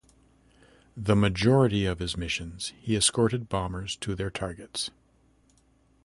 The majority of his missions he escorted bombers to their targets.